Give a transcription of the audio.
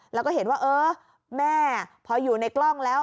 แล้วก็เห็นว่าเออแม่พออยู่ในกล้องแล้ว